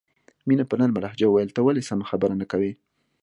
مینه په نرمه لهجه وویل ته ولې سمه خبره نه کوې